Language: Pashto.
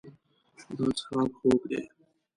دا څښاک خوږ دی.